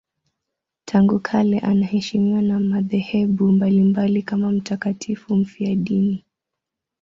Tangu kale anaheshimiwa na madhehebu mbalimbali kama mtakatifu mfiadini.